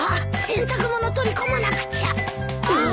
洗濯物取り込まなくちゃ。